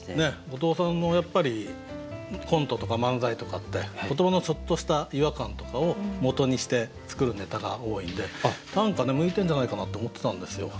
後藤さんもやっぱりコントとか漫才とかって言葉のちょっとした違和感とかをもとにして作るネタが多いんで短歌ね向いてんじゃないかなって思ってたんですよ。